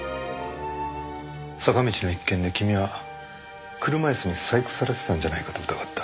坂道の一件で君は車椅子に細工されてたんじゃないかと疑った。